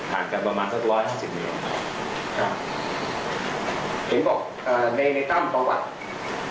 ผ่านกันประมาณสักวันห้าสิบหนึ่งครับครับเห็นบอกอ่าในในตั้มประวัติ